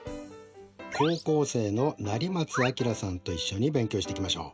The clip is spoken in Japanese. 高校生の成松亮さんと一緒に勉強していきましょう。